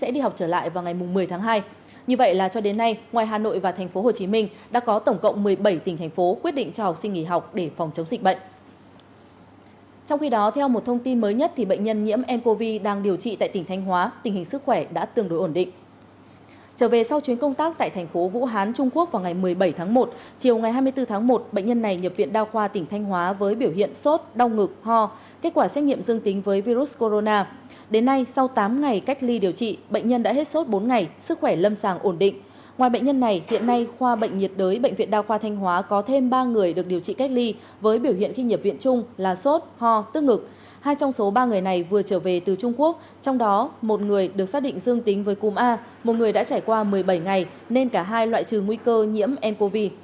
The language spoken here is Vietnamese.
trong đó một người được xác định dương tính với cum a một người đã trải qua một mươi bảy ngày nên cả hai loại trừ nguy cơ nhiễm ncov